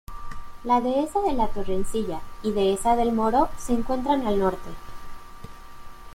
La Dehesa de la Torrecilla y Dehesa del Moro se encuentran al Norte.